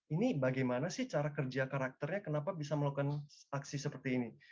ini bagaimana sih cara kerja karakternya kenapa bisa melakukan aksi seperti ini